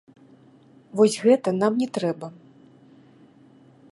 Вось гэта нам не трэба.